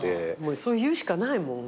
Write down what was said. そう言うしかないもん。